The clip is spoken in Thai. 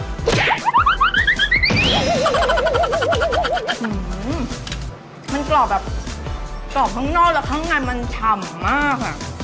อื้อมันกรอบแบบกรอบทั้งนอกและทั้งในมันฉ่ำมากอ่ะ